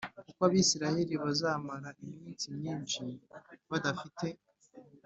Kuko Abisirayeli bazamara iminsi myinshi badafite